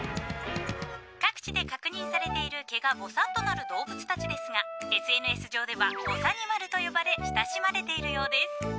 各地で確認されている毛がぼさっとなる動物たちですがＳＮＳ上ではぼさにまると呼ばれ親しまれているようです。